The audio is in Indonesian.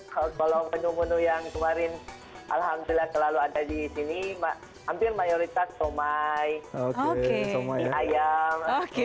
kalau menu menu yang kemarin alhamdulillah selalu ada disini hampir mayoritas somai minyak ayam